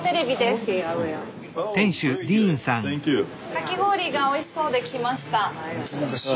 かき氷がおいしそうで来ました。